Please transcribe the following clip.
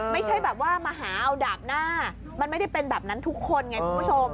ไม่ใช่แบบว่ามาหาเอาดาบหน้ามันไม่ได้เป็นแบบนั้นทุกคนไงคุณผู้ชม